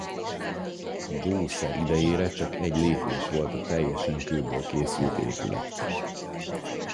Dzsószer idejére csak egy lépés volt a teljesen kőből készült épület.